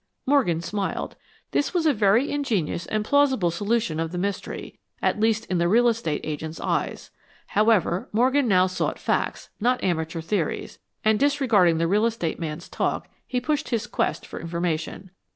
Morgan smiled. This was a very ingenious and plausible solution of the mystery at least in the real estate agent's eyes. However, Morgan now sought facts, not amateur theories, and disregarding the real estate man's talk, he pushed his quest for information.